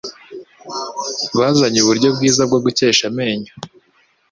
bazanye uburyo bwiza bwo gucyesha amenyo